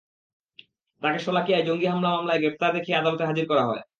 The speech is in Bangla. তাঁকে শোলাকিয়ায় জঙ্গি হামলা মামলায় গ্রেপ্তার দেখিয়ে আদালতে হাজির করা হয়।